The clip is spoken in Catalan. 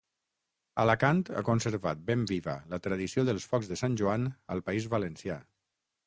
Alacant ha conservat ben viva la tradició dels focs de Sant Joan al País Valencià.